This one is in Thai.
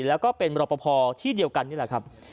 แล้วก็เป็นรอปภที่เดียวกันนี่แหละครับ